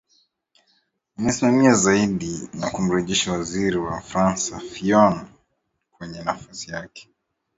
ameisimamia zaidi ni ya kumrejesha waziri mkuu fransa phion kwenye nafasi yake